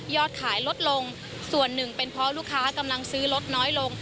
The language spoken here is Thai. ขายลดลงส่วนหนึ่งเป็นเพราะลูกค้ากำลังซื้อลดน้อยลง